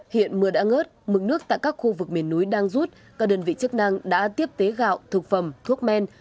hiện mưa đã ngớt mực nước tại các khu vực miền núi đang rút các đơn vị chức năng đã tiếp tế gạo thực phẩm thuốc men